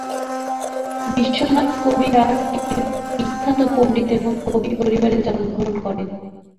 বিশ্বনাথ কবিরাজ একটি বিখ্যাত পণ্ডিত এবং কবি পরিবারে জন্মগ্রহণ করেন।